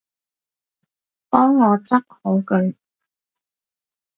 幫我執好佢